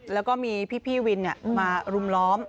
แล้วก็มีพี่วินมารุมล้อม